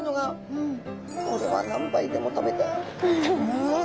うん！